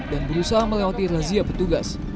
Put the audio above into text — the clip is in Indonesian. dan berusaha melewati razia petugas